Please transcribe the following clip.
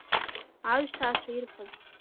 Аҩсҭаацәа ирфаз.